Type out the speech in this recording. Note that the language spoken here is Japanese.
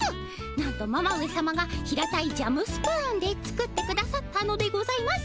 なんとママ上さまが平たいジャムスプーンで作ってくださったのでございます。